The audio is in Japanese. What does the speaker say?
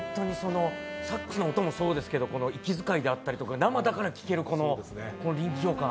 サックスの音もそうですけど、息づかいとか生だからこそ聞ける臨場感。